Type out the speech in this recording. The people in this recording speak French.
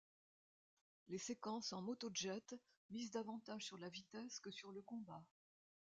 Les séquences en moto-jet misent davantage sur la vitesse que sur le combat.